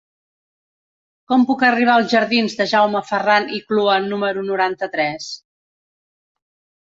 Com puc arribar als jardins de Jaume Ferran i Clua número noranta-tres?